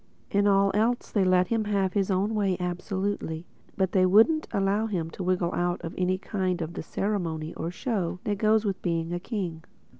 In all else they let him have his own way absolutely; but they wouldn't allow him to wriggle out of any of the ceremony or show that goes with being a king.